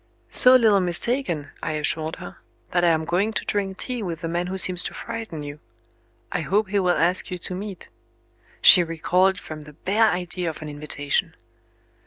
"So little mistaken," I assured her, "that I am going to drink tea with the man who seems to frighten you. I hope he will ask you to meet " She recoiled from the bare idea of an invitation.